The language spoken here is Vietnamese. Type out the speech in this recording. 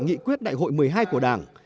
năm hai nghìn hai mươi hai của đảng